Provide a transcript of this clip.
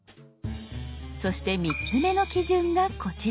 そして３つ目の基準がこちら。